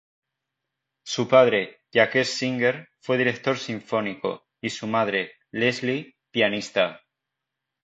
Su padre, Jacques Singer, fue director sinfónico, y su madre, Leslie, pianista.